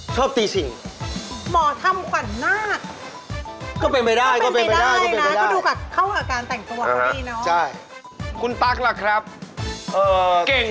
ชอบตีชิง